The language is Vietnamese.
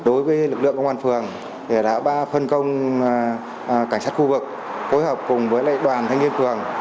đối với lực lượng công an phường thì đã ba phân công cảnh sát khu vực phối hợp cùng với đoàn thanh niên phường